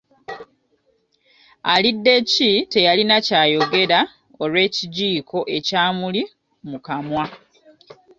Aliddeki teyalina kyayogera olw’ekijiiko ekyamuli mu kamwa.